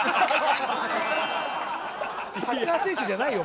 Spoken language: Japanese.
サッカー選手じゃないよ